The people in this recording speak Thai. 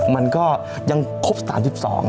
มันก็ยังคบ๓๒ไง